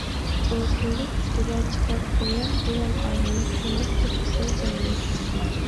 ئۇ كۆۋرۈك ئۈستىگە چىقىپ ئۇيان - بۇيان ئايلىنىپ، شۇنداق بىر ئېسىل جاينى كۆردى.